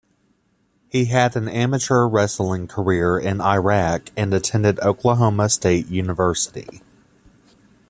He had an amateur wrestling career in Iraq and attended Oklahoma State University.